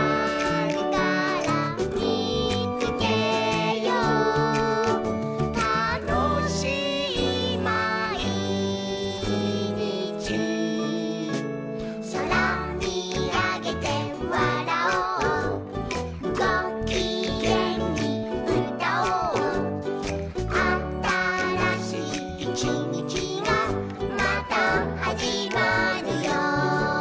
「みつけようたのしいまいにち」「そらみあげてわらおう」「ごきげんにうたおう」「あたらしいいちにちがまたはじまるよ」